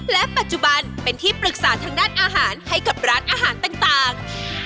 และปัจจุบันเป็นที่ปรึกษาทางด้านอาหารให้กับร้านอาหารต่าง